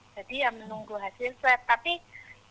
jadi ya menunggu hasil swab